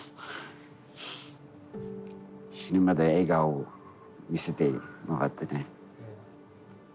死ぬまで笑顔を見せてもらってね。